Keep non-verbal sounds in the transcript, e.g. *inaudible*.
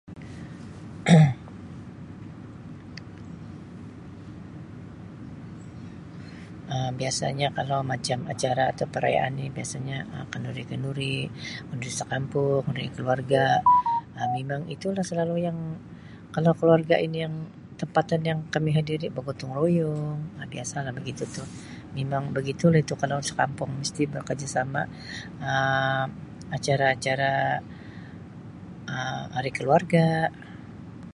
*coughs* Um Biasanya kalau macam acara atau perayaan ni biasanya Um kenduri-kenduri, kenduri sekampung, kenduri keluarga *noise* Um memang itulah selalu yang kalau keluarga ini yang tempatan yang kami hadiri bergotong royong Um biasalah begitu tu memang begitulah itu kalau sekampung mesti bekerja sama Um acara-acara Um hari keluarga.